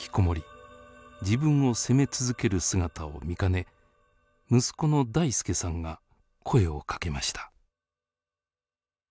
自分を責め続ける姿を見かね息子の大輔さんが声をかけました。